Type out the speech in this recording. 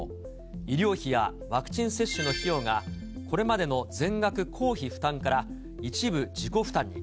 医療費やワクチン接種の費用がこれまでの全額公費負担から、一部自己負担に。